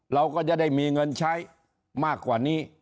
เราก็จะได้มีเงินใช้มากกว่านี้